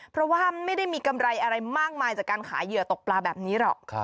เพราะว่าไม่ได้มีกำไรอะไรมากมายจากการขายเหยื่อตกปลาแบบนี้หรอก